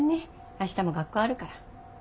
明日も学校あるから。